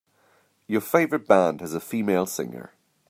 Your favorite band has a female singer.